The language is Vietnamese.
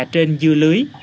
trên dưa lưới